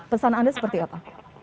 pesan anda seperti apa